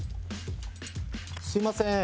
すみません。